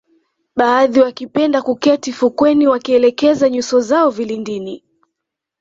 Baadhi wakipenda kuketi fukweni wakielekeza nyuso zao vilindini